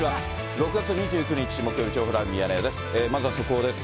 ６月２９日木曜日、情報ライブミヤネ屋です。